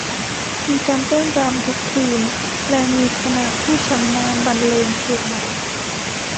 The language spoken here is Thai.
มีการเต้นรำทุกคืน แลมีคณะผู้ชำนาญบรรเลงเพลงใหม่